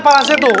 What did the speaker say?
pak ranger tuh